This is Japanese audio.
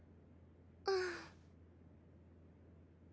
うん。